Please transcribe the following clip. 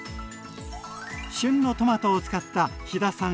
旬のトマトを使った飛田さん